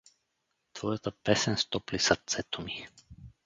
Твоята песен стопли сърцето ми.